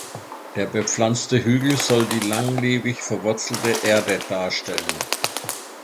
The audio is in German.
Der bepflanzte Hügel soll die langlebig verwurzelte Erde darstellen.